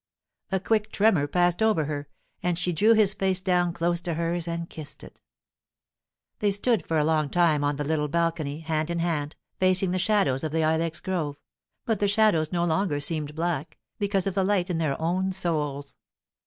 A quick tremor passed over her, and she drew his face down close to hers and kissed it. They stood for a long time on the little balcony, hand in hand, facing the shadows of the ilex grove; but the shadows no longer seemed black, because of the light in their own souls.